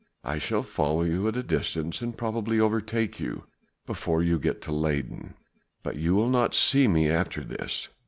I shall follow you at a distance, and probably overtake you before you get to Leyden. But you will not see me after this